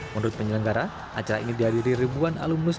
menurut penyelenggara acara ini dihadiri ribuan alumnus